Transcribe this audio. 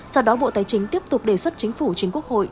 sau đó bộ tài chính tiếp tục đề xuất chính phủ chính quốc hội